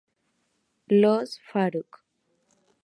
Los Faruk.